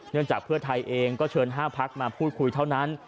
จากเพื่อไทยเองก็เชิญ๕พักมาพูดคุยเท่านั้น